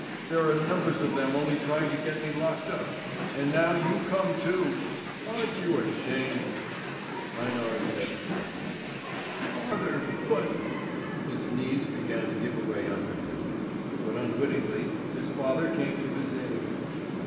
There are numbers of them only trying to get me locked up. And now you come too! Aren't you ashamed?" Einar's head sank. "Father but ." His knees began to give away under him; but unwittingly his father came to his aid?